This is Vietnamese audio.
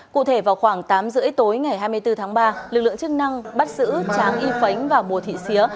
cụ thể vào khoảng tám h ba mươi tối ngày hai mươi bốn tháng ba lực lượng chức năng bắt giữ tráng y phánh và mùa thị xía